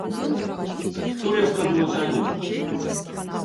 Што я скажу начальніку?